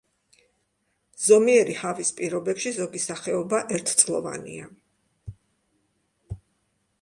ზომიერი ჰავის პირობებში ზოგი სახეობა ერთწლოვანია.